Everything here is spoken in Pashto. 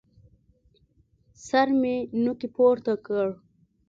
سر مې نوکى پورته کړ.